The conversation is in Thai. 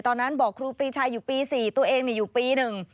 ตอนนั้นบอกครูปรีชาอยู่ปี๔ตัวเองอยู่ปีหนึ่ง